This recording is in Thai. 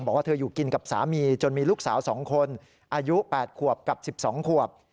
บอกว่าเธออยู่กินกับสามีจนมีลูกสาว๒คนอายุ๘ขวบกับ๑๒ขวบ